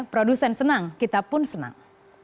produsen senang kita pun senang